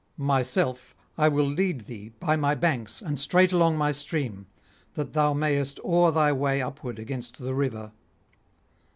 Myself I [57 89]will lead thee by my banks and straight along my stream, that thou mayest oar thy way upward against the river.